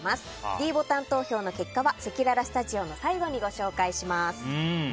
ｄボタン投票の結果はせきららスタジオの最後にご紹介します。